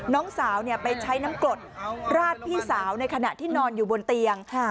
น้องสาวไปใช้น้ำกรดราดพี่สาวในขณะที่นอนอยู่บนเตียง